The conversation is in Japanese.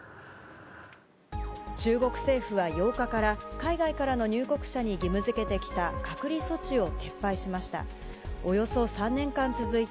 中国政府は８日から、海外からの入国者に義務づけてきた隔離措置を撤廃しました。